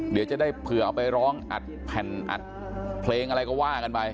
เดี๋ยวจะได้เผื่อไปร้องอัดเพลงอะไรก็ว่ากันไป